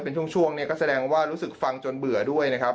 เป็นช่วงเนี่ยก็แสดงว่ารู้สึกฟังจนเบื่อด้วยนะครับ